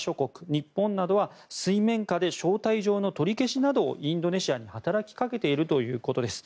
日本などは水面下で招待状の取り消しなどをインドネシアに働きかけているということです。